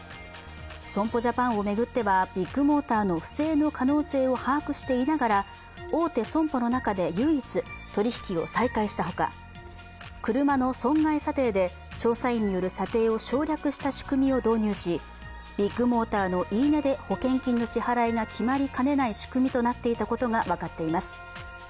損保ジャパンを巡ってはビッグモーターの不正の可能性を把握していながら、大手損保の中で、唯一、取り引きを再開したほか、車の損害査定で調査員による査定を省略した仕組みを導入し、ビッグモーターの言い値で保険金の支払いが決まりかねない仕組みとなっていたことが分かっています。